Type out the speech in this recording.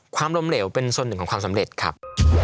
ความล้มเหลวเป็นส่วนหนึ่งของความสำเร็จครับ